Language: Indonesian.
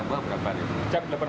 enam buah berapa real real